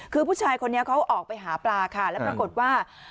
คือผู้ชายคนนี้เขาออกไปหาปลาค่ะแล้วปรากฏว่า